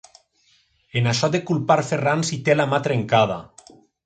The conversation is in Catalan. En això de culpar Ferrans hi té la mà trencada.